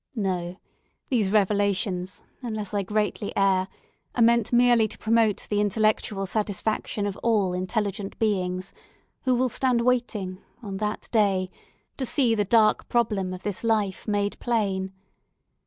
No; these revelations, unless I greatly err, are meant merely to promote the intellectual satisfaction of all intelligent beings, who will stand waiting, on that day, to see the dark problem of this life made plain.